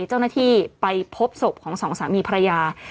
เจ้าหน้าที่ไปพบศพของสองสามีภรรยา